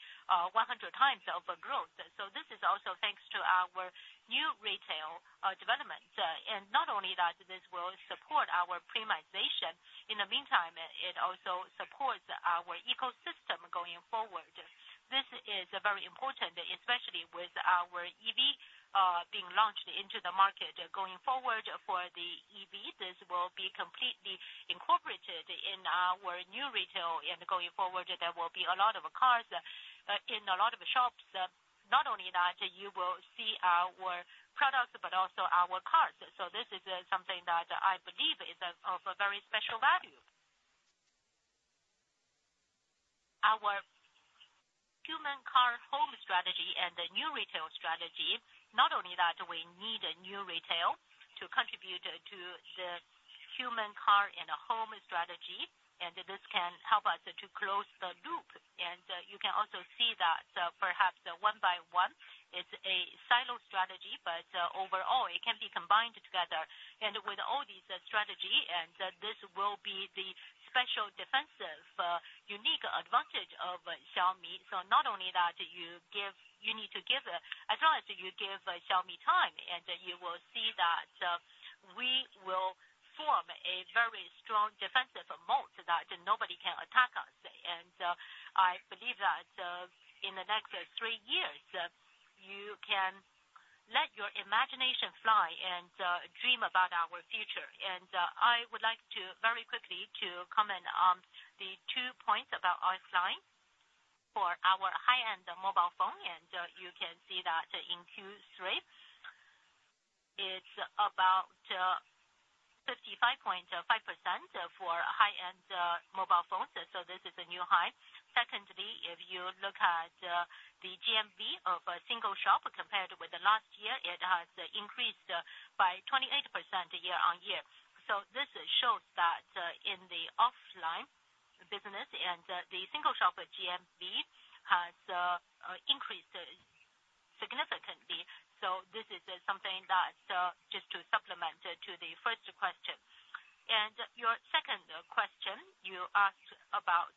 100x over growth. So this is also thanks to our new retail development. And not only that, this will support our premiumization. In the meantime, it also supports our ecosystem going forward. This is very important, especially with our EV being launched into the market. Going forward, for the EV, this will be completely incorporated in our new retail, and going forward, there will be a lot of cars in a lot of shops. Not only that, you will see our products, but also our cars. So this is something that I believe is of a very special value. Our Human x Car x Home strategy and the new retail strategy, not only that, we need a new retail to contribute to the human car and a home strategy, and this can help us to close the loop. You can also see that, perhaps one by one, it's a silo strategy, but, overall, it can be combined together. With all these strategy, and this will be the special defensive, unique advantage of Xiaomi. So not only that, you need to give, as long as you give Xiaomi time, and you will see that, we will form a very strong defensive moat that nobody can attack us. I believe that, in the next three years, you can let your imagination fly and, dream about our future. And, I would like to, very quickly, to comment on the two points about offline. For our high-end mobile phone, and you can see that in Q3, it's about, 55.5% for high-end, mobile phones, so this is a new high. Secondly, if you look at, the GMV of a single shop compared with the last year, it has increased, by 28% year-on-year. So this shows that, in the offline business and the single shop at GMV has, increased significantly. So this is something that, just to supplement to the first question. And your second question, you asked about,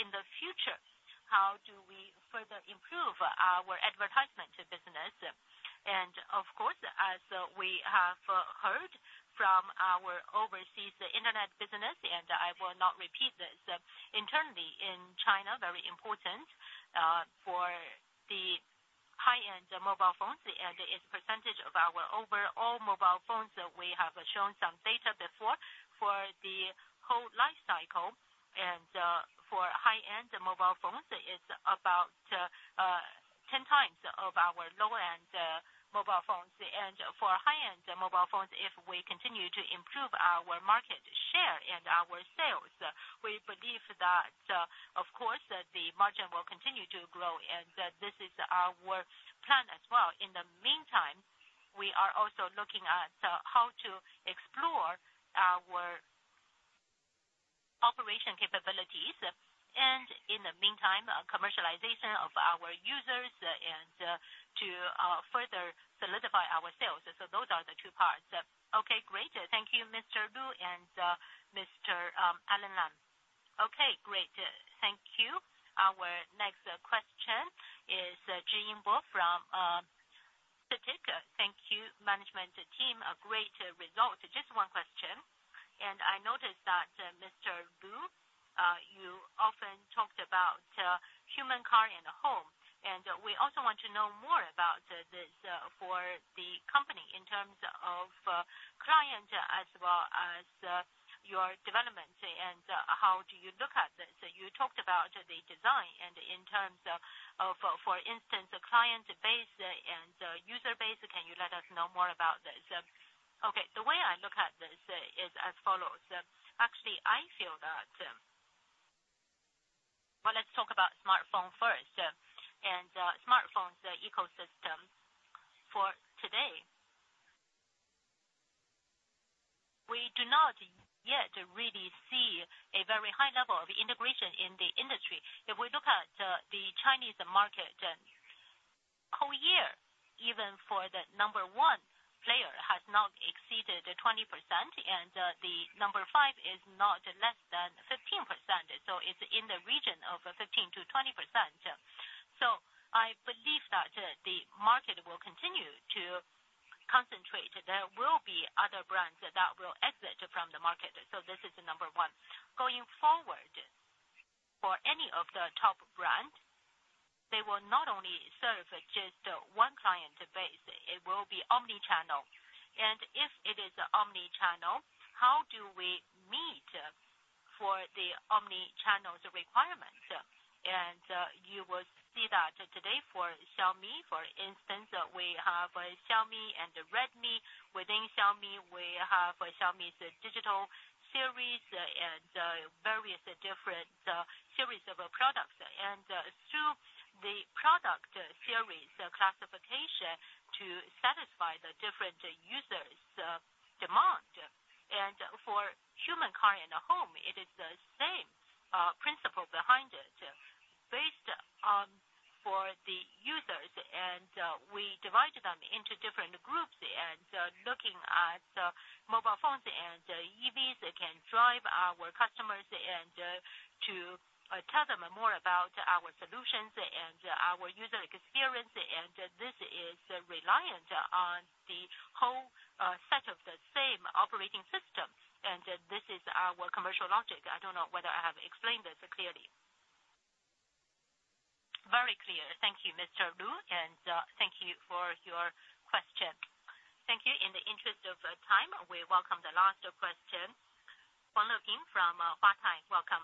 in the future, how do we further improve our advertisement business? Of course, as we have heard from our overseas internet business, and I will not repeat this, internally in China, very important for the high-end mobile phones, and it's percentage of our overall mobile phones that we have shown some data before for the whole life cycle. And for high-end mobile phones, it's about 10x of our low-end mobile phones. And for high-end mobile phones, if we continue to improve our market share and our sales, we believe that, of course, the margin will continue to grow, and this is our plan as well. In the meantime, we are also looking at how to explore our operation capabilities, and in the meantime, commercialization of our users, and to further solidify our sales. So those are the two parts. Okay, great. Thank you, Mr. Lu and Mr. Alain Lam. Okay, great. Thank you. Our next question is Jin Bo from CITIC. Thank you, management team. A great result. Just one question. I noticed that, Mr. Lu, you often talked about human car and home, and we also want to know more about this, this for the company in terms of client, as well as your development, and how do you look at this? You talked about the design and in terms of, for instance, client base and user base. Can you let us know more about this? Okay, the way I look at this is as follows: Actually, I feel that... Well, let's talk about smartphone first, and smartphones, the ecosystem for today. We do not yet really see a very high level of integration in the industry. If we look at the Chinese market whole year, even for the number one player, has not exceeded 20%, and the number five is not less than 15%. So it's in the region of 15%-20%. So I believe that the market will continue to concentrate. There will be other brands that will exit from the market. So this is number one. Going forward, for any of the top brands, they will not only serve just one client base, it will be omni-channel. And if it is omni-channel, how do we meet for the omni-channel's requirements? And you will see that today for Xiaomi, for instance, we have Xiaomi and Redmi. Within Xiaomi, we have Xiaomi's digital series of products, and through the product series classification to satisfy the different users demand. For human, car, and home, it is the same principle behind it. Based on for the users, and, we divided them into different groups, and, looking at, mobile phones and EVs can drive our customers and, to tell them more about our solutions and our user experience, and this is reliant on the whole, set of the same operating system, and this is our commercial logic. I don't know whether I have explained this clearly. Very clear. Thank you, Mr. Lu, and thank you for your question. Thank you. In the interest of time, we welcome the last question. Huang Leping from Huatai. Welcome.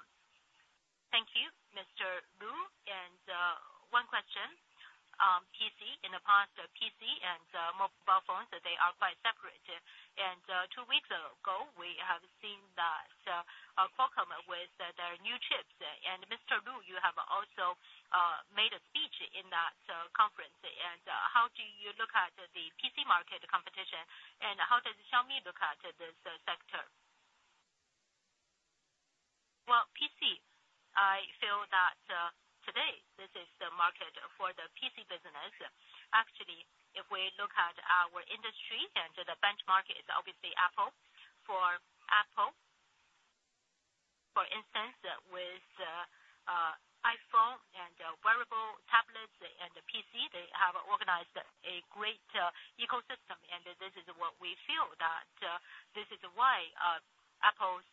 Thank you, Mr. Lu, and one question. PC, in the past, PC and mobile phones, they are quite separate. And two weeks ago, we have seen that Qualcomm with their new chips. Mr. Lu, you have also made a speech in that conference. How do you look at the PC market competition, and how does Xiaomi look at this sector? Well, PC, I feel that today, this is the market for the PC business. Actually, if we look at our industry and the benchmark is obviously Apple. For Apple, for instance, with iPhone and wearable tablets and the PC, they have organized a great ecosystem, and this is what we feel that this is why Apple's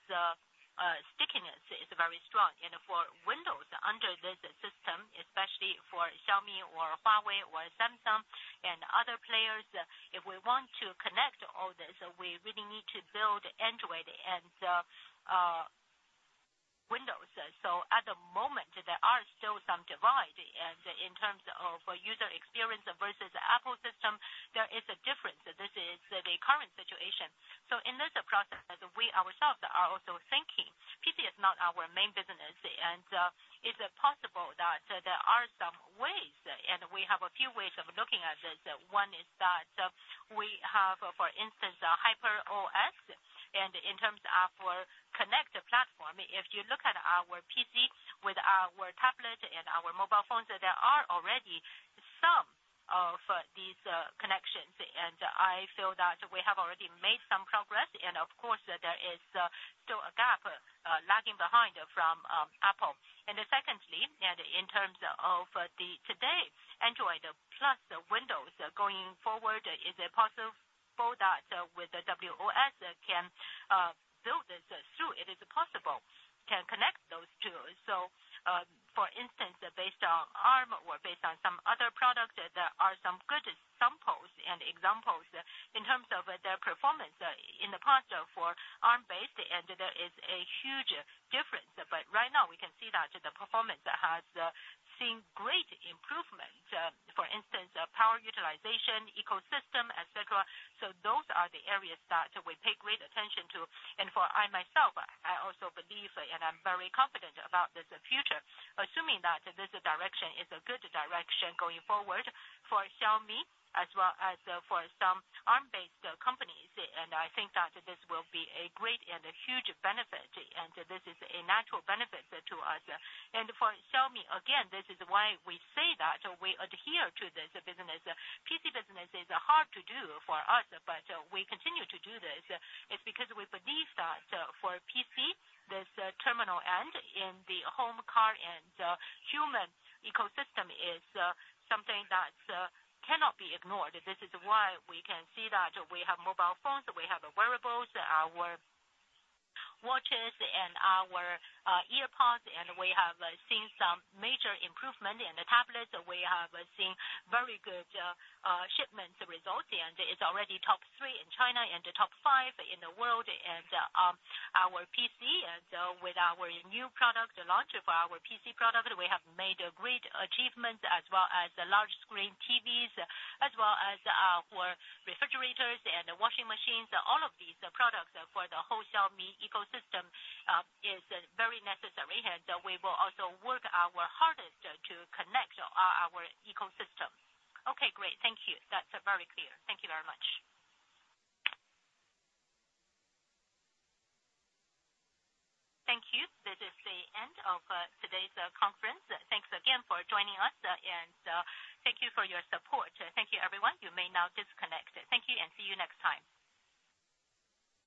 stickiness is very strong. And for Windows under this system, especially for Xiaomi or Huawei or Samsung and other players, if we want to connect all this, we really need to build Android and Windows. So at the moment, there are still some divide, and in terms of user experience versus Apple system, there is a difference. This is the current situation. So in this process, we ourselves are also thinking, PC is not our main business, and, is it possible that there are some ways, and we have a few ways of looking at this. One is that, we have, for instance, a HyperOS, and in terms of connected platform, if you look at our PC with our tablet and our mobile phones, there are already some of these, connections. And I feel that we have already made some progress, and of course, there is, still a gap, lagging behind from, Apple. And secondly, and in terms of the today, Android plus the Windows going forward, is it possible that with the WoS can, build this through? It is possible, can connect those two. So, for instance, based on ARM or based on some other products, there are some good samples and examples in terms of their performance. In the past, for ARM-based, and there is a huge difference. But right now, we can see that the performance has seen great improvement, for instance, power utilization, ecosystem, et cetera. So those are the areas that we pay great attention to. And for I myself, I also believe, and I'm very confident about this future, assuming that this direction is a good direction going forward for Xiaomi as well as for some ARM-based companies. And I think that this will be a great and a huge benefit, and this is a natural benefit to us. And for Xiaomi, again, this is why we say that we adhere to this business. PC business is hard to do for us, but we continue to do this. It's because we believe that for PC, this terminal end in the home, car, and human ecosystem is something that cannot be ignored. This is why we can see that we have mobile phones, we have wearables, our watches and our earbuds, and we have seen some major improvement in the tablets. We have seen very good shipment results, and it's already top three in China and top five in the world. And our PC, and with our new product launch of our PC product, we have made great achievements, as well as the large screen TVs, as well as for refrigerators and washing machines. All of these products for the whole Xiaomi ecosystem is very necessary, and we will also work our hardest to connect our ecosystem. Okay, great. Thank you. That's very clear. Thank you very much. Thank you. This is the end of today's conference. Thanks again for joining us, and thank you for your support. Thank you, everyone. You may now disconnect. Thank you, and see you next time.